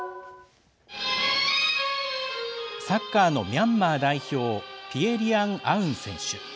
サッカーのミャンマー代表ピエ・リアン・アウン選手。